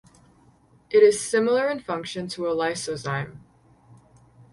It is similar in function to a lysozyme.